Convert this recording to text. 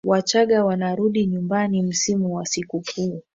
wachaga wanarudi nyumbani msimu wa sikukuu